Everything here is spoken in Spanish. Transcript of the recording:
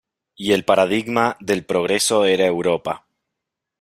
Y el paradigma del progreso era Europa.